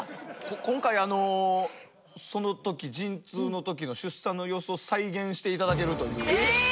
今回あのその時陣痛の時の出産の様子を再現していただけるという。